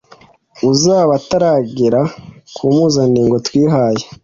uzaba ataragera ku mpuzandengo twihaye